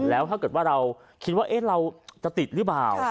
แล้วถ้าเกิดว่าเราคิดว่าเราจะติดหรือเปล่า